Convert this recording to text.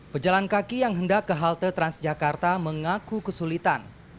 pejalan kaki yang hendak ke halte transjakarta mengaku kesulitan